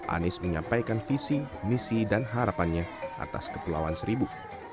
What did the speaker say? anies menyampaikan visi misi dan harapannya atas kepulauan seribu